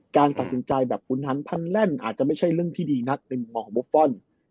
การตัดสินใจแบบขุนหันพันแลนด์อาจจะไม่ใช่เรื่องที่ดีนักในมุมมองของบุฟฟอล